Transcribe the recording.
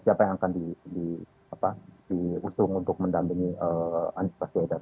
siapa yang akan diusung untuk mendampingi anies baswedan